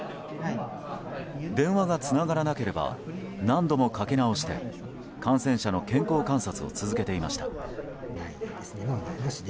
電話がつながらなければ何度もかけ直して感染者の健康観察を続けていました。